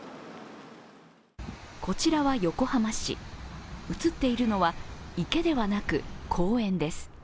こちらは横浜市、映っているのは池ではなく公園です。